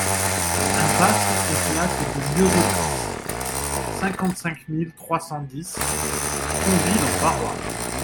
Impasse et Place des Myosotis, cinquante-cinq mille trois cent dix Tronville-en-Barrois